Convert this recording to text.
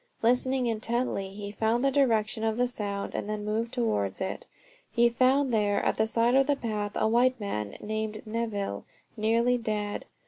Listening intently he found the direction of the sound, and then moved towards it. He found there, at the side of the path, a white man named Neville, nearly dead.